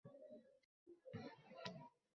Bugun ham Garvi Maksuel uchun qizg`in ish kuni edi